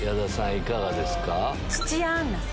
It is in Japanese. いかがですか？